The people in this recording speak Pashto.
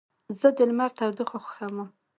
زه د لمر تودوخه خوښوم.